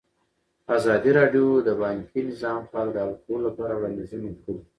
ازادي راډیو د بانکي نظام په اړه د حل کولو لپاره وړاندیزونه کړي.